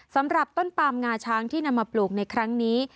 สำหรับต้นปามงาช้างที่นำมาปลูกในครั้งนี้